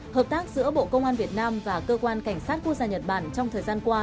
hợp tác giữa bộ công an việt nam và cơ quan cảnh sát quốc gia nhật bản trong thời gian qua